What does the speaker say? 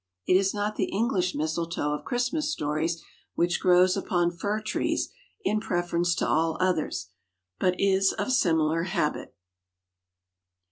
It is not the English mistletoe of Christmas stories which grows upon fir trees in preference to all others, but is of similar habit.